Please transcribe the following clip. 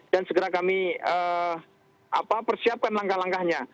dan segera kami persiapkan langkah langkahnya